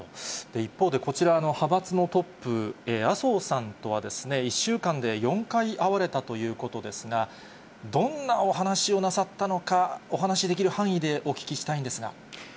一方で、こちら派閥のトップ、麻生さんとは１週間で４回会われたということですが、どんなお話をなさったのか、お話しできる範囲でお聞きしたいんですが。